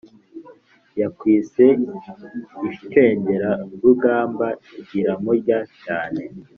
Yakiswe Inshengerarugamba iramurya cyane